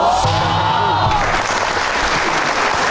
จะทำเวลาไหมครับเนี่ย